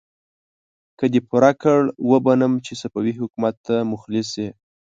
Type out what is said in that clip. که دې پوره کړ، وبه منم چې صفوي حکومت ته مخلص يې!